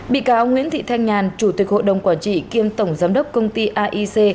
bị cáo nguyễn thị thanh nhàn chủ tịch hội đồng quản trị kiêm tổng giám đốc công ty aic